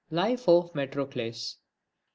LIFE OF METROCLES. I.